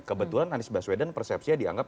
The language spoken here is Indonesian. kebetulan anies baswedan persepsinya dianggap